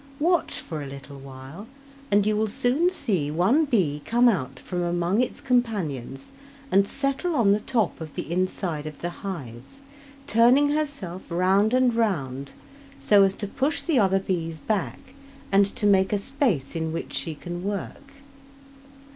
Watch for a little while and you will soon see one bee come out from among its companions and settle on the top of the inside of the hive, turning herself round and round, so as to push the other bees back, and to make a space in which she can work.